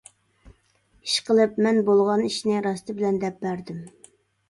ئىشقىلىپ مەن بولغان ئىشنى راستى بىلەن دەپ بەردىم.